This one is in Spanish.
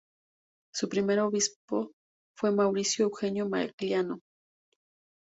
Su primer obispo fue Mauricio Eugenio Magliano.